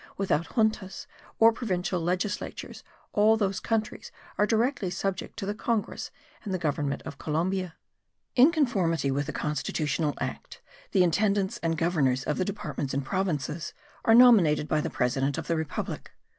Without juntas, or provincial legislatures, all those countries are directly subject to the congress and government of Columbia. In conformity with the constitutional act, the intendants and governors of the departments and provinces are nominated by the president of the republic.